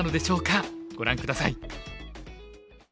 ご覧下さい。